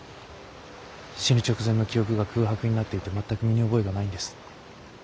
死ぬ直前の記憶が空白になっていて全く身に覚えがないんです。